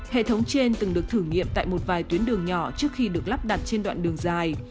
hệ thống trên từng được thử nghiệm tại một vài tuyến đường nhỏ trước khi được lắp đặt trên đoạn đường dài